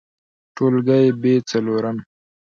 ټولګى : ب څلورم